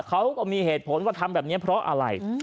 เขาก็มีเหตุผลว่าทำแบบนี้เพราะอะไร